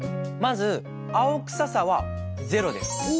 まず青臭さはゼロです。